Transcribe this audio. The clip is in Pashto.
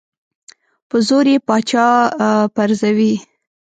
په زور یې پاچا پرزوي.